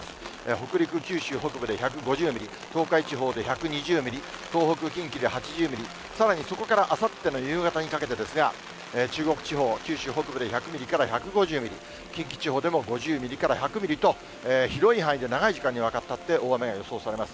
北陸、九州北部で１５０ミリ、東海地方で１２０ミリ、東北、近畿で８０ミリ、さらにそこからあさっての夕方にかけてですが、中国地方、九州北部で１００ミリから１５０ミリ、近畿地方でも５０ミリから１００ミリと、広い範囲で長い時間にわたって大雨が予想されます。